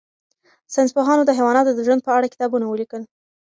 ساینس پوهانو د حیواناتو د ژوند په اړه کتابونه ولیکل.